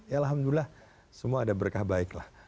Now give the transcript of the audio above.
ya alhamdulillah semua ada berkah baik lah